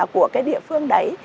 của cái địa phương đấy